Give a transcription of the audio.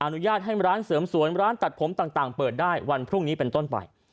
อนุญาตให้ร้านเสริมสวนร้านตัดผมต่างเปิดได้วันพรุ่งนี้เป็นต้นไป